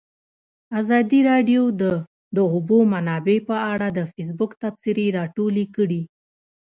ازادي راډیو د د اوبو منابع په اړه د فیسبوک تبصرې راټولې کړي.